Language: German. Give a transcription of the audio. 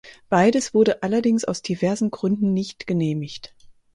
Beides wurde allerdings aus diversen Gründen nicht genehmigt.